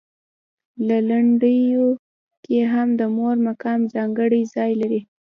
په لنډیو کې هم د مور مقام ځانګړی ځای لري.